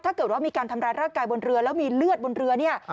ถ้าเกิดว่ามีการทำร้ายร่างกายบนเรือแล้วมีเลือดบนเรือเนี่ย